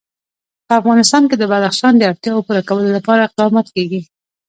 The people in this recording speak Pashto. په افغانستان کې د بدخشان د اړتیاوو پوره کولو لپاره اقدامات کېږي.